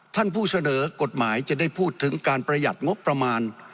ท่านผู้เสนอกฎหมายจะได้พูดถึงการประหยัดงบประมาณ